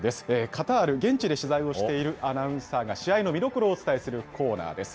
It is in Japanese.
カタール、現地で取材をしているアナウンサーが試合の見どころをお伝えするコーナーです。